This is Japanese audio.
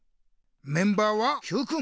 メンバーはＱくん。